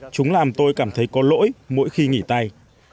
chúng làm tôi cảm thấy có lỗi mỗi khi nghỉ tay